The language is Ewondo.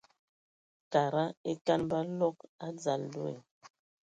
Kada ekan ba log adzal deo.